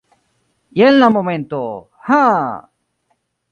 Jen la momento! Haa!